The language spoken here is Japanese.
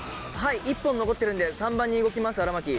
１本残ってるんで３番に動きます荒牧。